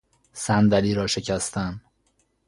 صندلی را شکستن